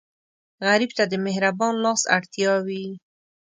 غریب ته د مهربان لاس اړتیا وي